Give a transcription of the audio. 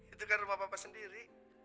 itu kan rumah bapak sendiri